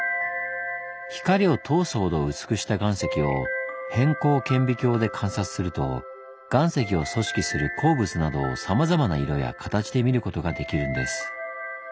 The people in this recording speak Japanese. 光を通すほど薄くした岩石を偏光顕微鏡で観察すると岩石を組織する鉱物などをさまざまな色や形で見ることができるんです。